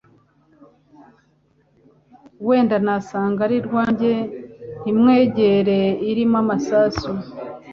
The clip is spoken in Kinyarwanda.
Wenda nasanga ari rwanjye Ntimwegere irimo amasasu